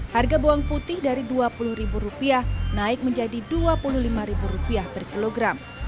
harga bawang putih dari rp dua puluh naik menjadi rp dua puluh lima per kilogram